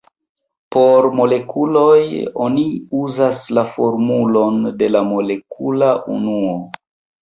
Por molekuloj, oni uzas la formulon de la molekula unuo.